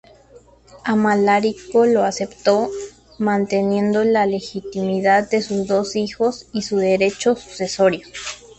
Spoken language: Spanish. Amalarico lo aceptó, manteniendo la legitimidad de sus dos hijos y su derecho sucesorio.